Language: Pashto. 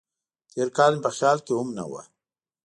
تېر کال مې په خیال کې هم نه و.